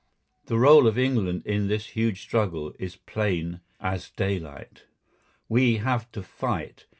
The rôle of England in this huge struggle is plain as daylight. We have to fight.